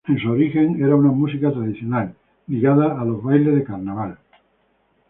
En su origen era una música tradicional, ligada a los bailes de carnaval.